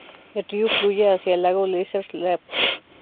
El río fluye hacia el lago Lesser Slave.